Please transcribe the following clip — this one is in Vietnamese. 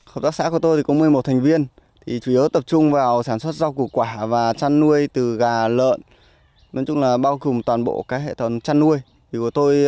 hợp tác xã của tôi có một mươi một thành viên chủ yếu tập trung vào sản xuất rau củ quả và chăn nuôi từ gà lợn bao gồm toàn bộ hệ thống chăn nuôi